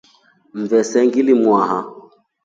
Mvese nglimwaha.